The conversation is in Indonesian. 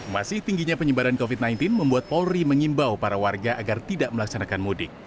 masih tingginya penyebaran covid sembilan belas membuat polri mengimbau para warga agar tidak melaksanakan mudik